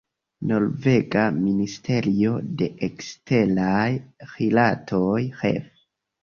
Norvega ministerio de eksteraj rilatoj, ref.